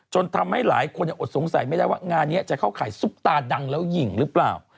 ทำให้หลายคนอดสงสัยไม่ได้ว่างานนี้จะเข้าข่ายซุปตาดังแล้วหญิงหรือเปล่า